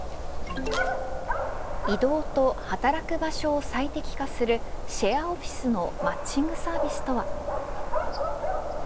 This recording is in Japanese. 移動と、働く場所を最適化するシェアオフィスのマッチングサービスとは。